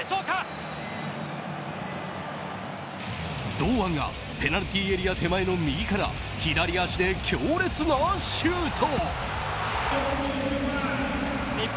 堂安がペナルティーエリア手前の右から左足で強烈なシュート！